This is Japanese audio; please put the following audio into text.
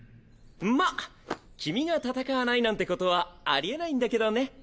まっ君が戦わないなんてことはありえないんだけどね。